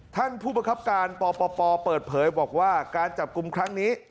ท่านผู้ประคับการปปเปิดเผยบอกว่าการจับกลุ่มครั้งนี้